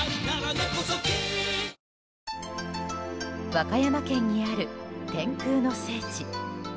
和歌山県にある天空の聖地。